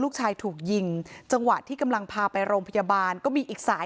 ลูกชายถูกยิงจังหวะที่กำลังพาไปโรงพยาบาลก็มีอีกสาย